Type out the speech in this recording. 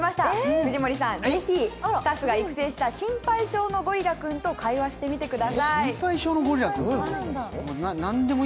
藤森さん、ぜひスタッフが育成した心配性のゴリラと会話してみてください。